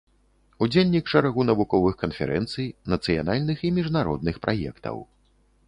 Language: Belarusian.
Удзельнік шэрагу навуковых канферэнцый, нацыянальных і міжнародных праектаў.